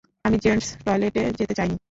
আমি জেন্টস টয়লেটে যেতে চাইনি।